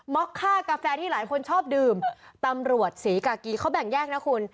็อกค่ากาแฟที่หลายคนชอบดื่มตำรวจศรีกากีเขาแบ่งแยกนะคุณ